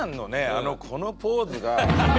あのこのポーズが。